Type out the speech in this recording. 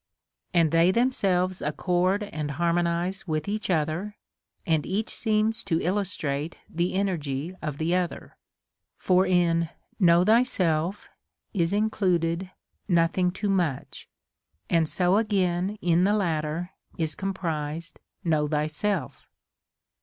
And they themselves accord and harmonize with each other, and each seems to illustrate the energy of the other ; for in Know thyself is included JSiothing too much ; and so again in the latter is comprised Know thyself.